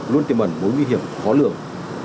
luôn tìm ẩn mối nguy hiểm khó lường